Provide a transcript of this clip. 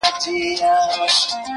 د څپو د زور یې نه ول مړوندونه.!